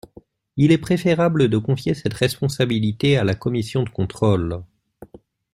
Il est préférable de confier cette responsabilité à la commission de contrôle.